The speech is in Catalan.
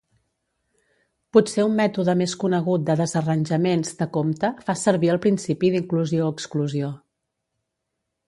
Potser un mètode més conegut de desarranjaments de compte fa servir el principi d'inclusió-exclusió.